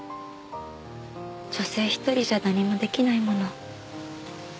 女性一人じゃ何もできないもの。